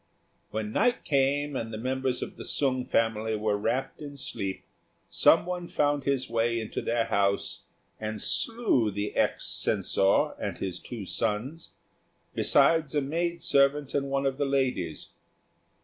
When night came, and the members of the Sung family were wrapped in sleep, some one found his way into their house and slew the ex Censor and his two sons, besides a maid servant and one of the ladies.